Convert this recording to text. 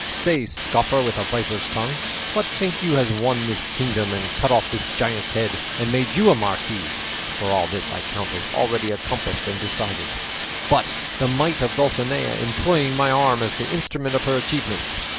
Say, scoffer with a viper's tongue, what think you has won this kingdom and cut off this giant's head and made you a marquis (for all this I count as already accomplished and decided), but the might of Dulcinea, employing my arm as the instrument of her achievements?